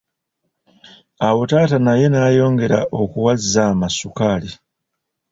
Awo taata naye nayongera okuwa Zama sukaali.